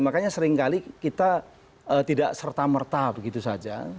makanya seringkali kita tidak serta merta begitu saja